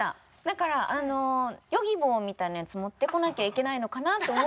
だからあのＹｏｇｉｂｏみたいなやつ持ってこなきゃいけないのかなと思ってたら。